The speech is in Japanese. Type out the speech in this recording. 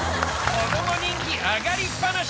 子ども人気上がりっぱなし。